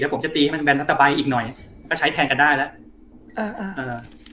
เดี๋ยวผมจะตีให้มันแบนละตะใบอีกหน่อยก็ใช้แทนกันได้ละเออเออ